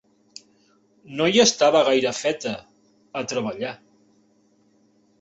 No hi estava gaire feta, a treballar.